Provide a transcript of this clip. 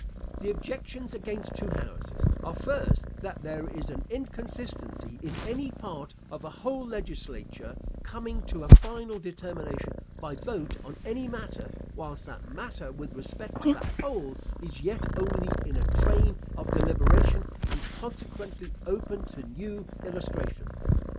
The objections against two houses are, first, that there is an inconsistency in any part of a whole legislature, coming to a final determination by vote on any matter, whilst that matter, with respect to that whole, is yet only in a train of deliberation, and consequently open to new illustrations.